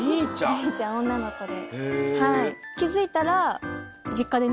みぃちゃん女の子で。